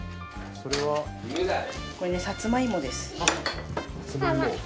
これねさつま芋です。